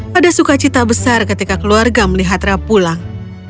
pada sukacita besar ketika keluarga melihat ra pulang